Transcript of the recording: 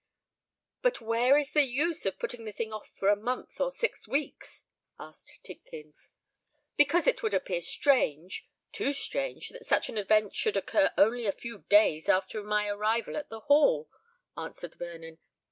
"But where is the use of putting the thing off for a month or six weeks?" asked Tidkins. "Because it would appear strange—too strange that such an event should occur only a few days after my arrival at the Hall," answered Vernon.